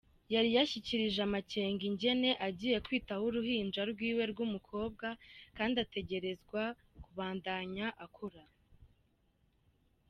Yari yashikirije amakenga ingene agiye kwitaho uruhinja rwiwe rw'umukobwa, kandi ategerezwa kubandanya akora.